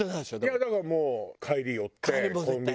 いやだからもう帰り寄ってコンビニ寄って。